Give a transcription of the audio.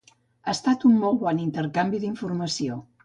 Ha estat un molt bon intercanvi d'informació.